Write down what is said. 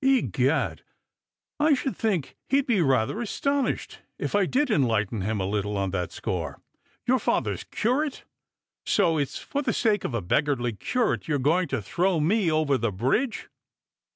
" Egad, I should think he'd be rather astonished if I did en lighten him a little on that score! Your father's curate ? So it's for the sake of a beggarly curate you are going to throw me over the bridge."